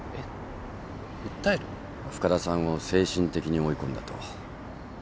深田さんを精神的に追い込んだと。